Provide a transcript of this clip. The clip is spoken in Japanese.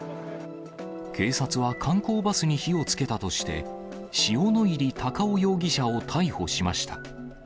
警察は観光バスに火をつけたとして、塩野入隆夫容疑者を逮捕しました。